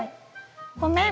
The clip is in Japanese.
ごめん！